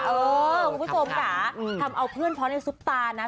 เออคุณพี่โฟมกะทำเอาเพื่อนพร้อมให้ซุปตานะ